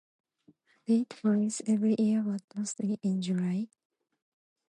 Date varies every year but mostly in July.